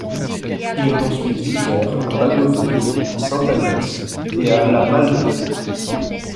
Il est ensuite vicaire à Bagotville, à Sainte-Agnès et à La Malbaie.